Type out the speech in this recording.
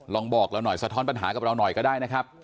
ลองบอกเราหน่อยสะท้อนปัญหากับเราหน่อยก็ได้นะครับ